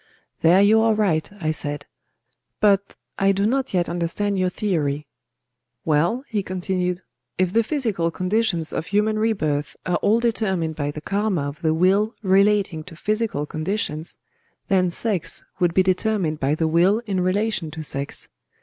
"There you are right," I said; "but I do not yet understand your theory." "Well," he continued, "if the physical conditions of human rebirth are all determined by the karma of the will relating to physical conditions, then sex would be determined by the will in relation to sex.